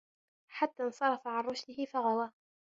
حَتَّى انْصَرَفَ عَنْ رُشْدِهِ فَغَوَى